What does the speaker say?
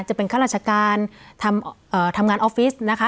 จะเป็นข้าราชการทำงานออฟฟิศนะคะ